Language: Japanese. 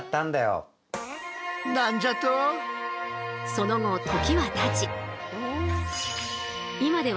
その後時はたち